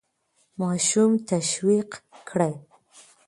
ماشوم تشویق کړئ.